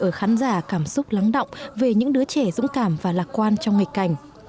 ở khán giả cảm xúc lắng động về những đứa trẻ dũng cảm và lạc quan trong nghịch cảnh